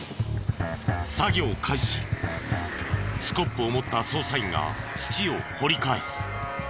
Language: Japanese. スコップを持った捜査員が土を掘り返す。